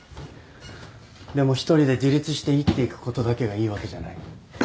でも一人で自立して生きていくことだけがいいわけじゃない。